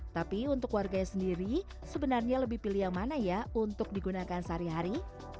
tapi untuk warganya sendiri sebenarnya lebih pilih yang mana ya untuk digunakan sehari hari